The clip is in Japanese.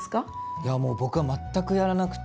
いやもう僕は全くやらなくて。